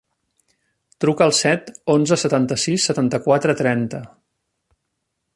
Truca al set, onze, setanta-sis, setanta-quatre, trenta.